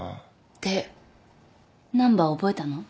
でナンバー覚えたの？